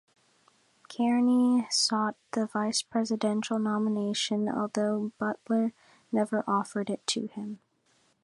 Kearney sought the Vice Presidential nomination, although Butler never offered it to him.